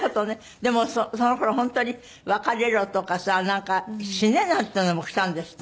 でもその頃本当に「別れろ」とかさなんか「死ね」なんていうのもきたんですって？